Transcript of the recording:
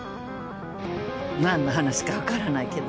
何の話かわからないけど。